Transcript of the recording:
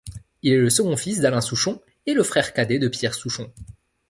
Il est le second fils d'Alain Souchon, et le frère cadet de Pierre Souchon.